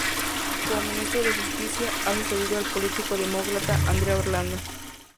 Como Ministro de Justicia ha sucedido al político demócrata Andrea Orlando.